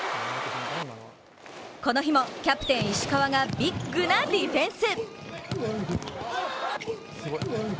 この日もキャプテン・石川がビッグなディフェンス。